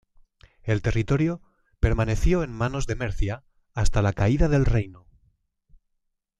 El territorio permaneció en manos de Mercia hasta la caída del reino.